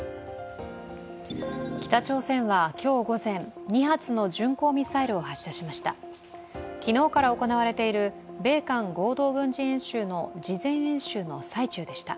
北朝鮮は今日午前２発の巡航ミサイルを発射しました昨日から行われている米韓合同軍事演習の事前演習の最中でした。